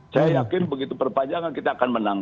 saya yakin begitu perpanjangan kita akan menang